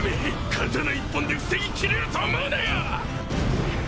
刀一本で防ぎきれると思うなよ！